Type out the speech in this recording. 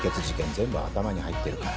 全部頭に入ってるから。